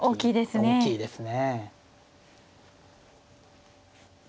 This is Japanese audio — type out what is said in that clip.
大きいですね。